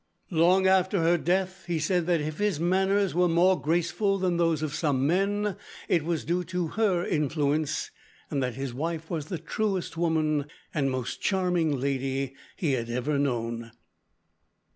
Long after her death he said that if his manners were more graceful than those of some men, it was due to her influence, and that his wife was the truest woman, and most charming lady he had ever known.